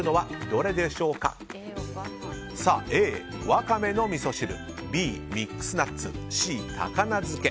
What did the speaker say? Ａ、ワカメのみそ汁Ｂ、ミックスナッツＣ、高菜漬け。